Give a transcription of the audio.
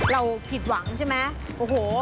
เราผิดหวังใช่ไหมโอ้โห